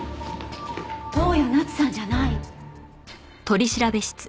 登矢奈津さんじゃない。